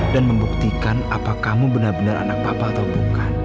dan membuktikan apakah kamu benar benar anak papa atau bukan